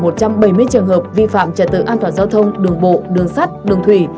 một trăm bốn mươi sáu một trăm bảy mươi trường hợp vi phạm trật tự an toàn giao thông đường bộ đường sắt đường thủy